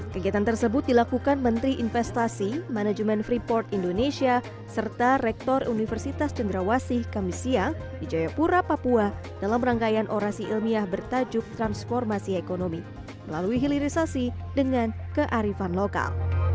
kegiatan tersebut dilakukan menteri investasi manajemen freeport indonesia serta rektor universitas cenderawasih kamisia di jayapura papua dalam rangkaian orasi ilmiah bertajuk transformasi ekonomi melalui hilirisasi dengan kearifan lokal